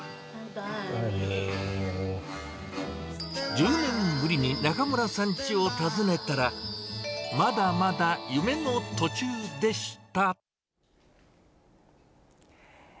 １０年ぶりに中邑さんちを訪ねたら、まだまだ夢の途中でした。